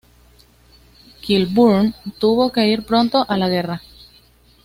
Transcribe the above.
Kilburn tuvo que ir pronto a la guerra.